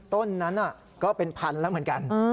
ต้นนั้นก็เป็นพันแล้วเหมือนกัน